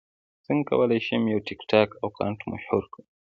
څنګه کولی شم یو ټکټاک اکاونټ مشهور کړم